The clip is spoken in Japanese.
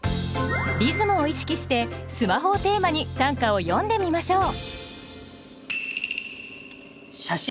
リズムを意識して「スマホ」をテーマに短歌を詠んでみましょう。